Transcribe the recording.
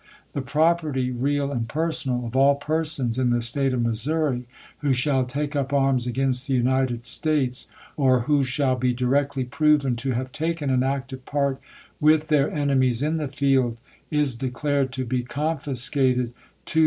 The property, real and personal, of all persons in the State of Missouri who shall take up arms against the United States, or who shall be directly proven to have taken an active part with their enemies in the field, is declared to be confiscated to the 416 GENERAL JOHN C.